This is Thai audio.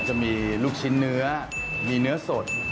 จะมีลูกชิ้นเนื้อมีเนื้อสด